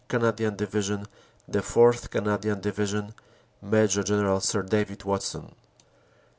Canadian Division, the 4th. Canadian Division, Major General Sir David Watson.